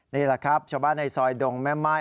นี่แหละครับชาวบ้านในซอยดงแม่ไหม้